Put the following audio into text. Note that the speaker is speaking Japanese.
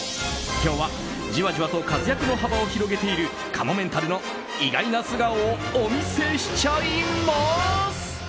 今日はじわじわと活躍の幅を広げているかもめんたるの意外な素顔をお見せしちゃいます。